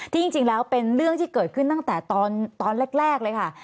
จริงแล้วเป็นเรื่องที่เกิดขึ้นตั้งแต่ตอนแรกเลยค่ะ